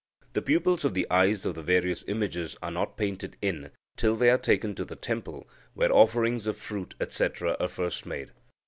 The pupils of the eyes of the various images are not painted in till they are taken to the temple, where offerings of fruit, etc., are first made.